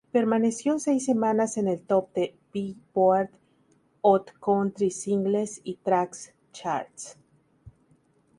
Permaneció seis semanas en el top de Billboard Hot Country Singles y Tracks charts.